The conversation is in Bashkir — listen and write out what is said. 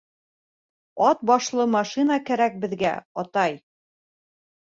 Ат башлы машина кәрәк беҙгә, атай!